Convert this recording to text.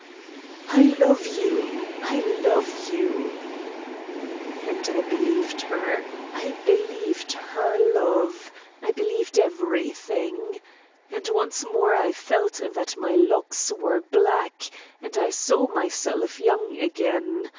"I love you! I love you!" And I believed her I believed her love. I believed everything. And once more I felt that my locks were black, and I saw myself young again.